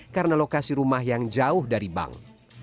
karena lokasi rumah yang jauh dari bank